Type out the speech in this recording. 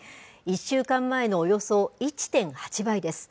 １週間前のおよそ１．８倍です。